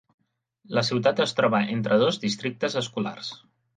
La ciutat es troba entre dos districtes escolars.